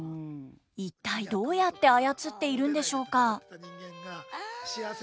一体どうやって操っているんでしょうか。